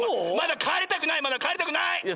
まだかえりたくないまだかえりたくない！